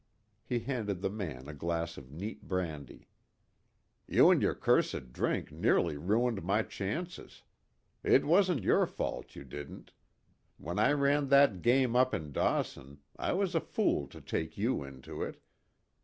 He handed the man a glass of neat brandy. "You and your cursed drink nearly ruined my chances. It wasn't your fault you didn't. When I ran that game up in Dawson I was a fool to take you into it.